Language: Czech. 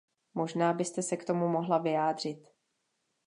Možná byste se k tomu mohla vyjádřit.